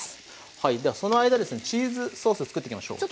はいではその間ですねチーズソースを作っていきましょう。